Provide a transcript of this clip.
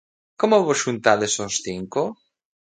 Como vos xuntades os cinco?